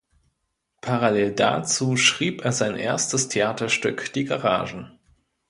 Parallel dazu schrieb er sein erstes Theaterstück "Die Garagen".